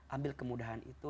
ambil kemudahan itu